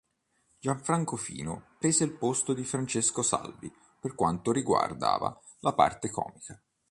Gianfranco Fino prese il posto di Francesco Salvi per quanto riguardava la parte comica.